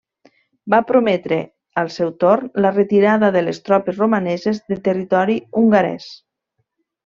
Va prometre al seu torn la retirada de les tropes romaneses de territori hongarès.